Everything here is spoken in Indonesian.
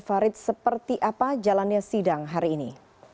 farid seperti apa jalannya sidang hari ini